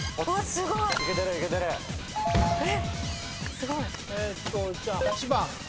すごい！え！